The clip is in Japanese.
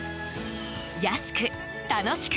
安く、楽しく。